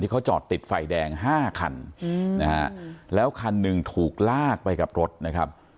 เขาจอดติดไฟแดง๕คันนะฮะแล้วคันหนึ่งถูกลากไปกับรถนะครับ